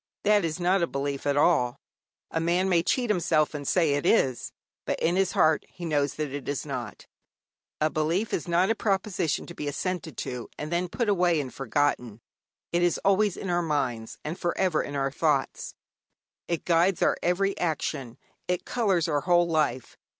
That is not a belief at all. A man may cheat himself, and say it is, but in his heart he knows that it is not. A belief is not a proposition to be assented to, and then put away and forgotten. It is always in our minds, and for ever in our thoughts. It guides our every action, it colours our whole life.